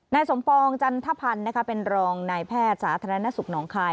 นายสมปองจันทพันธ์เป็นรองนายแพทย์สาธารณสุขหนองคาย